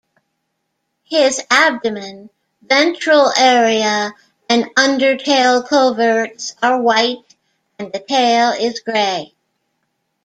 His abdomen, ventral area and undertail coverts are white and the tail is grey.